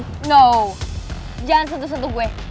tidak jangan sentuh sentuh gue